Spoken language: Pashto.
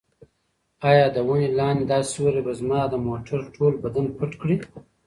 ایا د ونې لاندې دا سیوری به زما د موټر ټول بدن پټ کړي؟